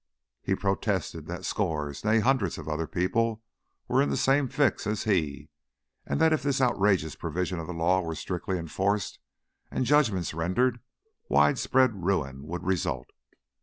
He protested that scores nay, hundreds of other people were in the same fix as he, and that if this outrageous provision of the law were strictly enforced and judgments rendered widespread ruin would result.